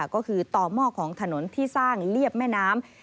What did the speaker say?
ก็คือต่อหม้อของถนนที่สร้างเรียบแม่น้ำ